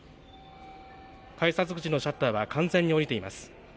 改札口のシャッターは完全に下りています。